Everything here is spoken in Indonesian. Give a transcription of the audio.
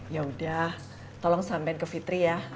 yaudah tolong sampein ke fitri ya